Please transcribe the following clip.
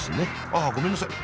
ああごめんなさい。